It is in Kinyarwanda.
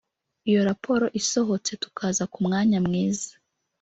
Iyo raporo isohotse tukaza ku mwanya mwiza